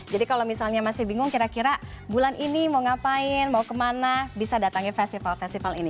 jadi kalau misalnya masih bingung kira kira bulan ini mau ngapain mau kemana bisa datangin festival festival ini